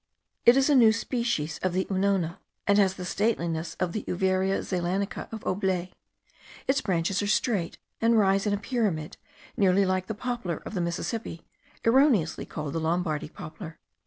It is a new species of the unona, and has the stateliness of the Uvaria zeylanica of Aublet. Its branches are straight, and rise in a pyramid, nearly like the poplar of the Mississippi, erroneously called the Lombardy poplar.